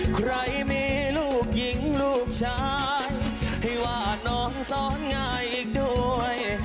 ใครมีลูกหญิงลูกชายให้ว่าน้องซ้อนง่ายอีกด้วย